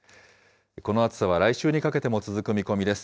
この暑さは来週にかけても続く見込みです。